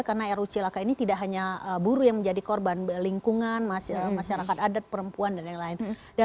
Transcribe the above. karena ruc laka ini tidak hanya buruh yang menjadi korban lingkungan masyarakat adat perempuan dan lain lain